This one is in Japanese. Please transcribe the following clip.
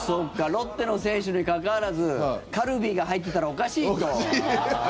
ロッテの選手にかかわらずカルビーが入ってたらおかしいと。